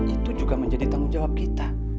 itu juga menjadi tanggung jawab kita